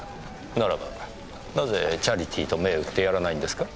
ならばなぜチャリティーと銘打ってやらないんですか？